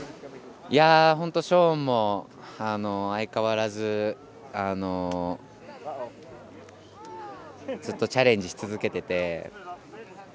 本当、ショーンも相変わらず、ずっとチャレンジし続けていて。